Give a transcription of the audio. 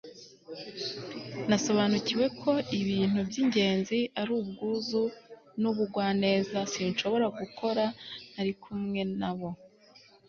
nasobanukiwe ko ibintu by'ingenzi ari ubwuzu n'ubugwaneza. sinshobora gukora ntari kumwe na bo